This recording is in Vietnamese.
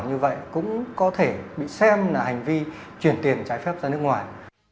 như vậy cũng có thể bị xem là hành vi chuyển tiền trái phép ra nước ngoài